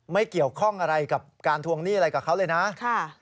ไม่เกี่ยวข้องอะไรกับการทวงหนี้อะไรกับเขาเลยนะ